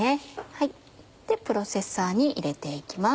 プロセッサーに入れて行きます。